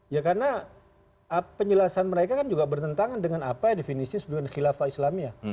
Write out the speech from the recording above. ya karena penjelasan mereka kan juga bertentangan dengan apa definisi khilafah islamia